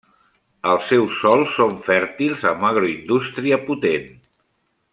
Els seus sòls són fèrtils amb agroindústria potent.